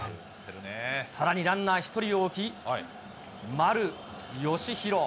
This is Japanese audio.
さらにランナー１人を置き、丸佳浩。